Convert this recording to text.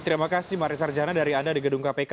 terima kasih mari sarjana dari anda di gedung kpk